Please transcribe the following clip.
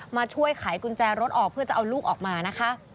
มาช่วยไขกุญแจรถออกเพื่อจะเอาลูกออกมานะคะ